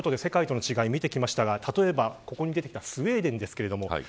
世界との違いを見てきましたが例えば、ここに出てきたスウェーデンです。